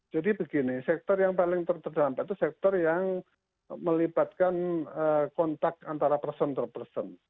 jadi begini sektor yang paling terdampak itu sektor yang melibatkan kontak antara person to person